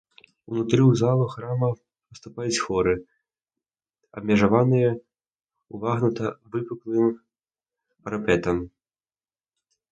Унутры ў залу храма выступаюць хоры, абмежаваныя ўвагнута-выпуклым парапетам.